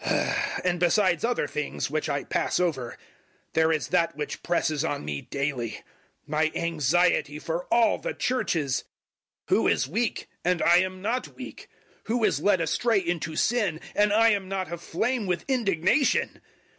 011:028 And besides other things, which I pass over, there is that which presses on me daily my anxiety for all the Churches. 011:029 Who is weak, and I am not weak? Who is led astray into sin, and I am not aflame with indignation?